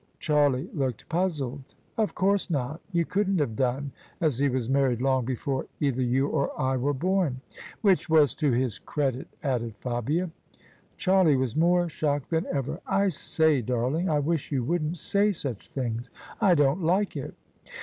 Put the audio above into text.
Charlie looked puzzled. " Of course not : you couldn't have done, as he was married long before either you or I were born." " Which was to his credit," added Fabia. Charlie was more shocked than ever. " I say, darling, I wish you wouldn't say such things. I don't like it."